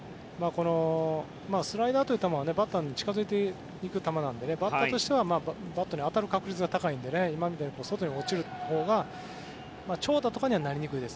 スライダーという球はバッターに近づいていく球なのでバッターとしてはバットに当たる確率が高いので今みたいに外に落ちるほうが長打とかにはなりにくいです。